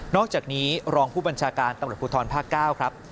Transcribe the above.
อกจากนี้รองผู้บัญชาการตำรวจภูทรภาค๙ครับ